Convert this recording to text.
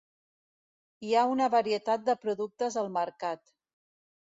Hi ha una varietat de productes al mercat.